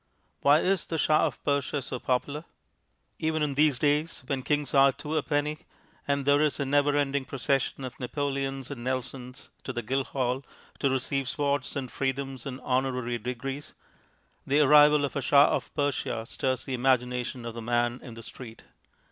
Why is the Shah of Persia so popular? Even in these days when kings are two a penny, and there is a never ending procession of Napoleons and Nelsons to the Guildhall to receive swords and freedoms and honorary degrees, the arrival of a Shah of Persia stirs the imagination of the man in the street.